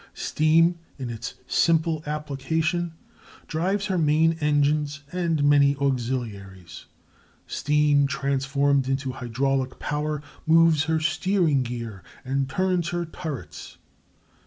Steam in its simple application drives her main engines and many auxiliaries. Steam transformed into hydraulic power moves her steering gear and turns her turrets.